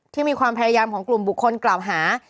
มีความพยายามของกลุ่มบุคคลกล่าวหา